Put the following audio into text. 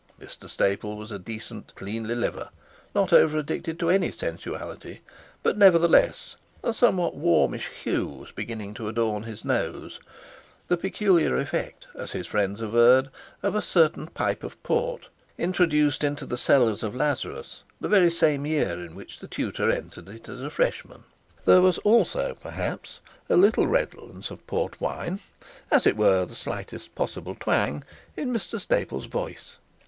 Mr Staple was a decent cleanly liver, not over addicted to any sensuality; but nevertheless a somewhat warmish hue was beginning to adorn his nose, the peculiar effect, as his friends averred, of a certain pipe of port introduced into the cellars of Lazarus the very same year in which the tutor entered in as a freshman. There was also, perhaps with a little redolence of port wine, as it were the slightest possible twang, in Mr Staple's voice.